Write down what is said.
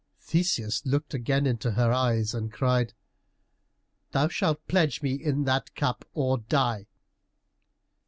Theseus looked again into her eyes and cried, "Thou shalt pledge me in that cup or die!"